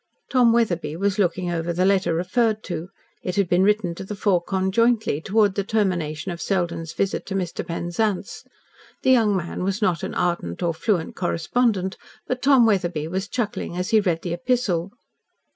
Tom Wetherbee was looking over the letter referred to. It had been written to the four conjointly, towards the termination of Selden's visit to Mr. Penzance. The young man was not an ardent or fluent correspondent; but Tom Wetherbee was chuckling as he read the epistle.